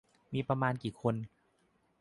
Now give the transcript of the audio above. มีคนประมาณกี่คน